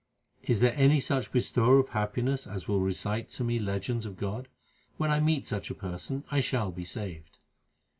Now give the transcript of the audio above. Is there any such bestower of happiness as will recite to me legends of God ? when I meet such a person I shall be saved.